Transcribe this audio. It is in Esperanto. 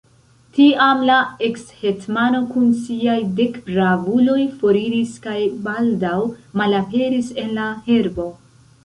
Tiam la ekshetmano kun siaj dek bravuloj foriris kaj baldaŭ malaperis en la herbo.